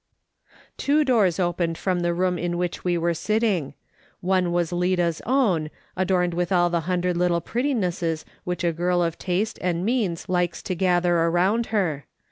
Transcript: Two doors opened from the room in which we were sitting. One was Lida's own, adorned with all the hundred little prettinesses which a girl of taste and means likes to gather around her.